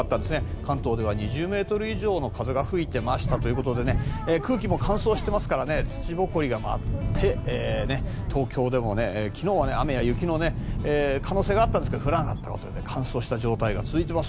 関東では２０ｍ以上の風が吹いていましたということで空気も乾燥していますから土ぼこりが舞って東京でも昨日は雨や雪の可能性があったんですが降らなかったということで乾燥した状態が続いています。